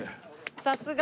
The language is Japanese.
さすが。